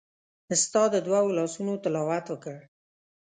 ستا د دوو لاسونو تلاوت وکړ